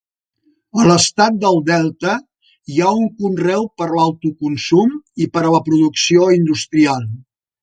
A l'estat del Delta hi ha conreu per l'autoconsum i per a la producció industrial.